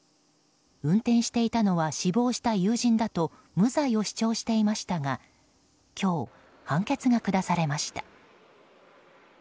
運転していたのは死亡した友人だと無罪を主張していましたが今日、判決が下されました。